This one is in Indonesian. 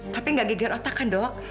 tapi nggak geger otak kan dok